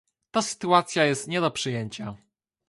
Ta sytuacja jest nie do przyjęcia